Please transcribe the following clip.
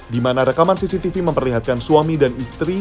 di mana rekaman cctv memperlihatkan suami dan istri